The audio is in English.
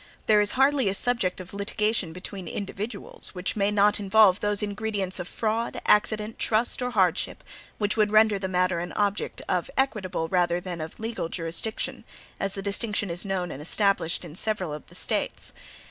There is hardly a subject of litigation between individuals, which may not involve those ingredients of fraud, accident, trust, or hardship, which would render the matter an object of equitable rather than of legal jurisdiction, as the distinction is known and established in several of the States.